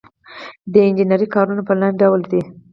د انجنیری کارونه په لاندې ډول دي.